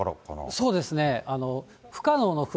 そうですね。